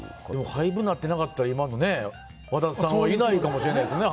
廃部になってなかったら今の和田さんはいないかもしれないですもんね。